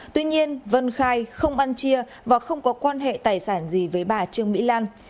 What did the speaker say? tuy nhiên vân khai không ăn chia và không có quan hệ tài sản gì với bà trương mỹ lan